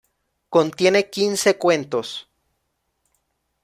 Contiene quince cuentos.